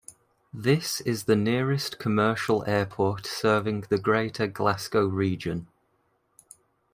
This is the nearest commercial airport serving the Greater Glasgow region.